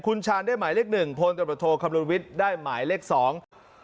คุณชาญได้หมายเลขหนึ่งพลตำรวจโทคำนวณวิทย์ได้หมายเลขสอง